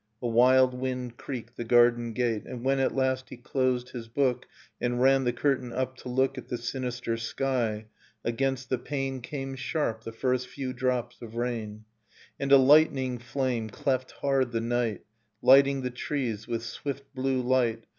A wild wind creaked the garden gate. And when at last he closed his book And ran the curtain up, to look At the sinister sky, against the pane Came sharp the first few drops of rain, And a lightning flame cleft hard the night Lighting the trees with swift blue light.